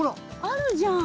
あるじゃん。